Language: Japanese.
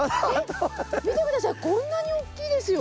見て下さいこんなにおっきいですよ！